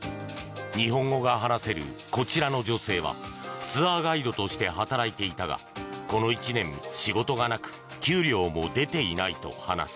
日本語が話せるこちらの女性はツアーガイドとして働いていたがこの１年仕事がなく給料も出ていないと話す。